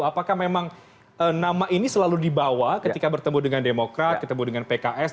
apakah memang nama ini selalu dibawa ketika bertemu dengan demokrat ketemu dengan pks